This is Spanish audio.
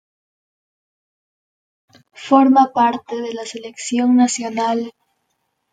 Forma parte de la Selección nacional.